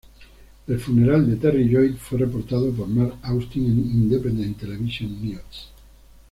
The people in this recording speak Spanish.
El funeral de Terry Lloyd fue reportado por Mark Austin en Independent Television News.